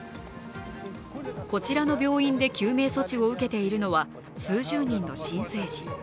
こちらの病院で救命措置を受けているのは数十人の新生児。